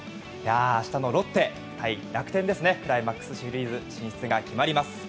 明日のロッテ対楽天クライマックスシリーズ進出が決まります。